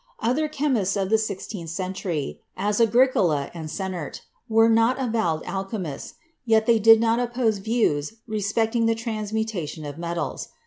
Other chemists of the sixteenth century, as Agricola and Sennert, were not avowed alchemists, yet they did not oppose views respect ing the transmutation of metals.